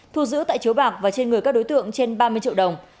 thu giữ tại chiếu bạc và trên người các đối tượng trên ba mươi triệu đồng